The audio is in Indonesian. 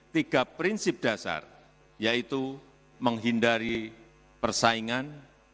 tiga prinsip dasar yaitu menghindari persaingan